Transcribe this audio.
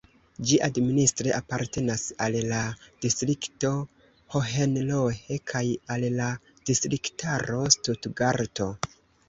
Ĝi administre apartenas al la distrikto Hohenlohe kaj al la distriktaro Stutgarto.